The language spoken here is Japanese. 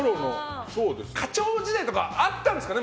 課長時代とかあったんですかね